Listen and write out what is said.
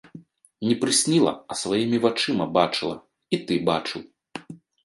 Не прысніла, а сваімі вачыма бачыла, і ты бачыў.